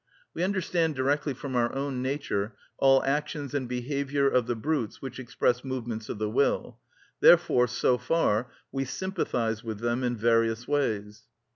We understand directly from our own nature all actions and behaviour of the brutes which express movements of the will; therefore, so far, we sympathise with them in various ways.